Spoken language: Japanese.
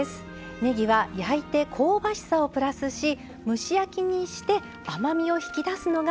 ねぎは焼いて香ばしさをプラスし蒸し焼きにして甘みを引き出すのがポイントでした。